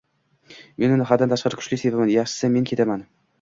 Men uni haddan tashqari kuchli sevaman… Yaxshisi, men ketaman